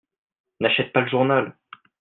N'achète pas le journal !